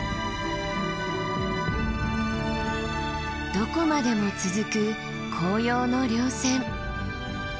どこまでも続く紅葉の稜線。